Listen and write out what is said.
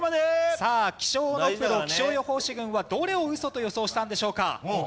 さあ気象のプロ気象予報士軍はどれをウソと予想したんでしょうか？